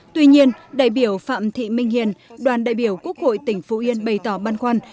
tuy nhiên đại biểu phạm thị minh hiền đoàn đại biểu quốc hội tỉnh phú yên bày tỏ băn khoăn